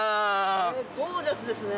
ゴージャスですね。